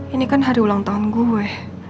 ini kan hari ulang tahun gue